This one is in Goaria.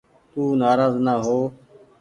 تو نآراز نآ هو ۔